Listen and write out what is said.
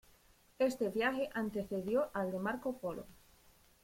Este viaje antecedió al de Marco Polo.